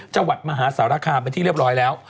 จังหวัดมหาสารคามเป็นที่เรียบร้อยแล้ว